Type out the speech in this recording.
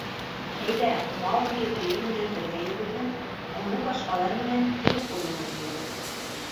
Әйҙә, Маугли өйөр менән бергә йүгерһен, уны башҡалар менән тиң ҡуйығыҙ өйөргә.